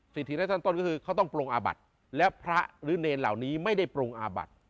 สิทธิและชั้นต้นก็คือเขาต้องปรงอาบัติและพระหรือเนรเหล่านี้ไม่ได้ปรงอาบัติ